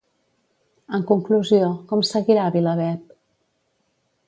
En conclusió, com seguirà Vilaweb?